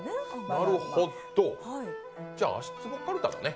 なるほど、じゃ、足つぼカルタだね。